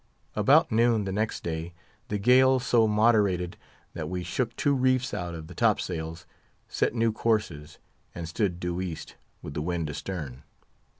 About noon the next day, the gale so moderated that we shook two reefs out of the top sails, set new courses, and stood due east, with the wind astern.